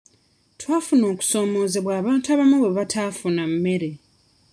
Twafuna okusoomoozebwa abantu abamu bwe bataafuna mmere.